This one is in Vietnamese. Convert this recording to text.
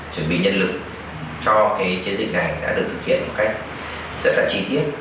chuẩn bị nhân lực cho cái chiến dịch này đã được thực hiện một cách rất là chi tiết